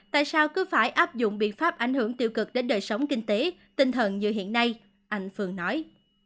tại sao cứ phải áp dụng biện pháp ảnh hưởng tiêu cực đến đời sống kinh tế tinh thần như hiện nay anh phương nói